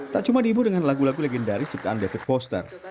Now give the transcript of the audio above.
tak cuma diibu dengan lagu lagu legendaris ciptaan david poster